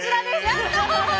やった！